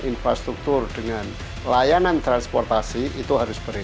infrastruktur dengan layanan transportasi itu harus beri